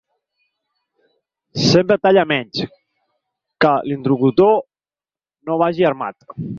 Sempre talla menys, que l'interlocutor no vagi armat.